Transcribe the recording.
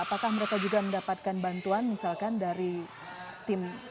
apakah mereka juga mendapatkan bantuan misalkan dari tim